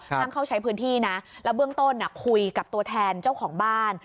ห้ามเข้าใช้พื้นที่นะแล้วเบื้องต้นคุยกับตัวแทนเจ้าของบ้าน